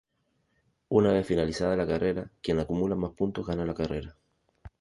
Una vez finalizada la carrera, quien acumula más puntos gana la carrera.